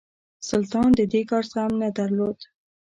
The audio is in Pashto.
سلطان د دې کار زغم نه درلود.